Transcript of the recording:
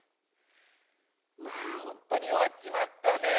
まあ本当に弱っちまったねえ。